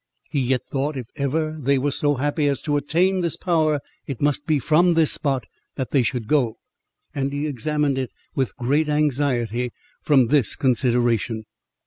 He yet thought, if ever they were so happy as to attain this power, it must be from this spot that they should go, and he examined it with great anxiety, from this consideration.